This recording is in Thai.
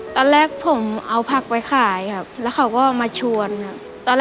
ตอนแรกผมเอาผักไปขายครับแล้วเขาก็มาชวนครับ